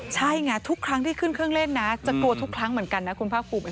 ใช่ไงทุกครั้งที่ขึ้นเครื่องเล่นนะจะกลัวทุกครั้งเหมือนกันนะคุณภาคภูมิ